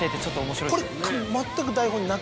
これ。